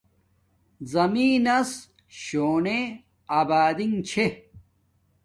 زمین نس شونے آبادینگ چھے